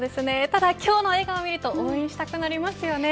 ただ今日の笑顔を見ると応援したくなりますよね。